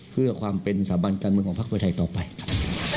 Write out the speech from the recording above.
เพื่อความเป็นสามารถการเมืองของภาคประเทศไทยต่อไปครับ